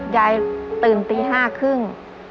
ยายตื่นตี๕ครึ่ง